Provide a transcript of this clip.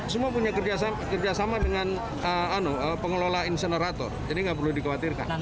semua punya kerjasama dengan pengelola insenerator jadi nggak perlu dikhawatirkan